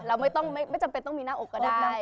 เราไม่จำเป็นต้องมีหน้าอกก็ได้